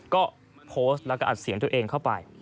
ก็โพสต์แล้วก็อัดเสียงตัวเองเข้าไป